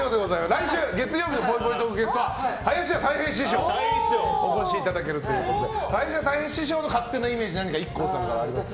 来週月曜日のぽいぽいトークのゲストは林家たい平師匠にお越しいただけるということで林家たい平師匠の勝手なイメージＩＫＫＯさんありますか？